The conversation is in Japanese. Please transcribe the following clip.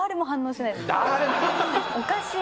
おかしい。